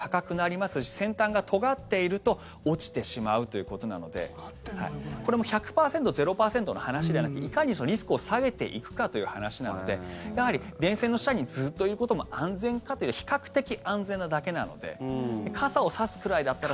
そしたら傘を差した分周りよりも高くなりますし先端がとがっていると落ちてしまうということなのでこれも１００％、０％の話ではなくいかにリスクを下げていくかという話なのでやはり電線の下にずっといることも安全かというよりは比較的安全なだけなので傘を差すくらいだったら。